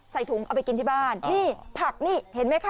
ใส่ถุงเอาไปกินที่บ้านนี่ผักนี่เห็นไหมคะ